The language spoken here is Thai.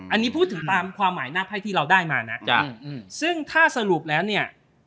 อันนี้พูดถึงตามความหมายหน้าไพ่ที่เราได้มานะจ๊ะซึ่งถ้าสรุปแล้วเนี่ย